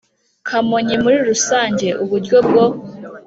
Kamonyi muri rusange uburyo bwo